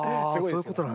そういうことだ。